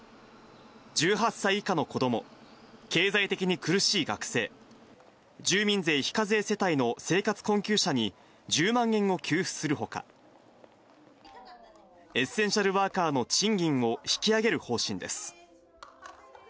１８歳以下の子ども、経済的に苦しい学生、住民税非課税世帯の生活困窮者に１０万円を給付するほか、エッセンシャルワーカーの賃金を引き上げる方針です。